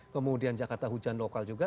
kemudian jakarta hujan lokal juga